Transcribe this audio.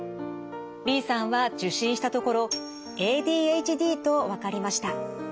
Ｂさんは受診したところＡＤＨＤと分かりました。